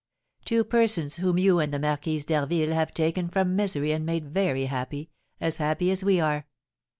Two persons whom you and the Marquise d'Harville have taken from misery and made very happy, as happy as we are.